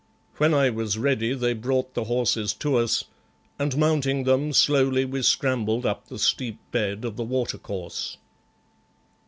When I was ready they brought the horses to us, and mounting them, slowly we scrambled up the steep bed of the water course.